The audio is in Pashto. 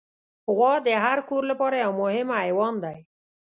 غوا د هر کور لپاره یو مهم حیوان دی.